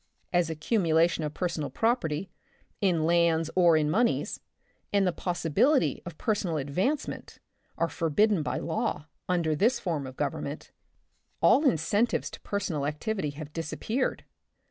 As accumulation of personal property, in lands or in moneys, and the possibility of personal advancement are forbidden by law, under this form of government, all incentives to personal activity have disappeared.